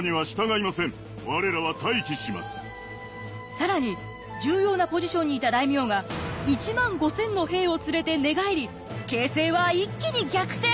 更に重要なポジションにいた大名が１万５，０００の兵を連れて寝返り形成は一気に逆転！